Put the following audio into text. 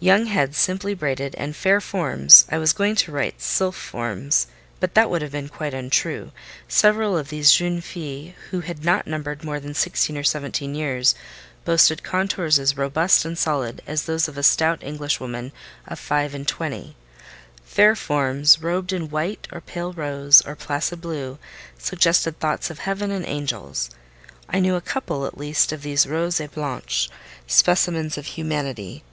Young heads simply braided, and fair forms (I was going to write sylph forms, but that would have been quite untrue: several of these "jeunes filles," who had not numbered more than sixteen or seventeen years, boasted contours as robust and solid as those of a stout Englishwoman of five and twenty)—fair forms robed in white, or pale rose, or placid blue, suggested thoughts of heaven and angels. I knew a couple, at least, of these "rose et blanche" specimens of humanity.